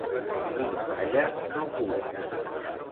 Qui no balla no cura.